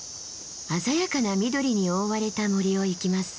鮮やかな緑に覆われた森を行きます。